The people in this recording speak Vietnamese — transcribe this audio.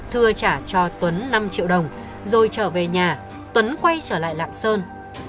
thưa trả cho tuấn năm triệu đồng rồi trở về nhà tuấn quay trở lại lạng sơn